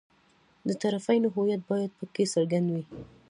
د طرفینو هویت باید په کې څرګند وي.